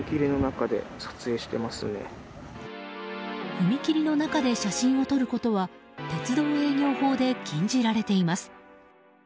踏切の中で写真を撮ることは鉄道営業法で禁じられています。